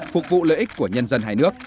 phục vụ lợi ích của nhân dân hai nước